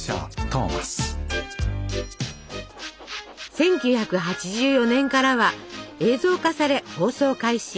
１９８４年からは映像化され放送開始。